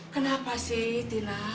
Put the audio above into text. kenapa sih tina